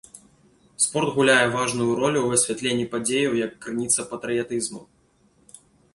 Спорт гуляе важную ролю ў асвятленні падзеяў як крыніца патрыятызму.